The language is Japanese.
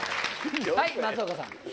はい松岡さん。